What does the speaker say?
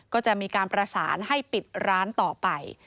ก็จะมีการประสานให้ปิดร้านต่อไป